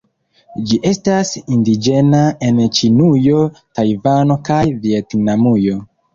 Ĝi estas indiĝena en Ĉinujo, Tajvano kaj Vjetnamujo.